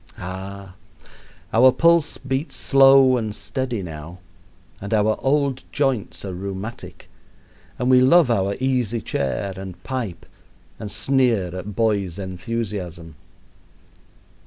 Ah, our pulse beats slow and steady now, and our old joints are rheumatic, and we love our easy chair and pipe and sneer at boys' enthusiasm.